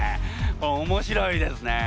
おもしろいですね。